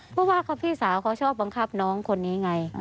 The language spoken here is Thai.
เพราะว่าพี่สาวเขาชอบบังคับน้องคนนี้ไง